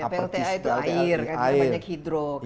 plta itu air karena banyak hidro kan